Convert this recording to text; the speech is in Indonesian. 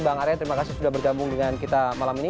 bang arya terima kasih sudah bergabung dengan kita malam ini